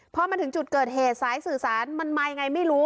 พอมาถึงจุดเกิดเหตุสายสื่อสารมันมายังไงไม่รู้